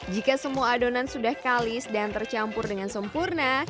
jika semua adonan sudah kalis dan tercampur dengan sempurna